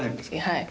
はい。